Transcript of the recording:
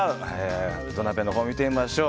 土鍋のほうを見てみましょう。